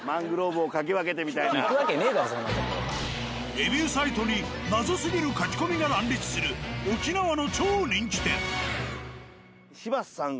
レビューサイトに謎すぎる書き込みが乱立する沖縄の超人気店。